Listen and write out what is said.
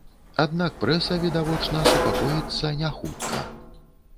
Аднак прэса, відавочна, супакоіцца не хутка.